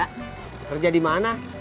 kerja di mana